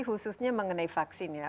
khususnya mengenai vaksin